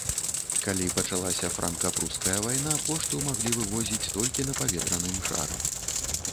Калі пачалася франка-пруская вайна, пошту маглі вывозіць толькі на паветраным шары.